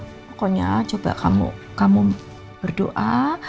pokoknya coba kamu berdoa